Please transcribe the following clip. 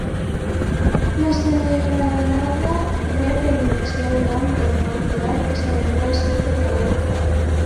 La serralada rep el seu nom del mont Clark, que s'anomena així per Galen Clark.